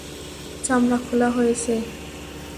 চামড়া খোলা হয়েছে।